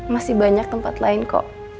masih banyak tempat lain kok